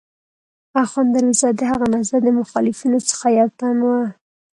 اخوند درویزه د هغه نهضت د مخالفینو څخه یو تن و.